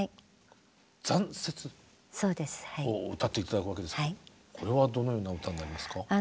「残雪」を歌って頂くわけですがこれはどのような歌になりますか？